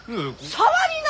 触りな！